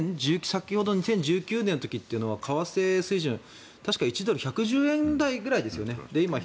特に、２０１９年の時というのは為替水準、確か１ドル＝１１０円台ぐらいですよね。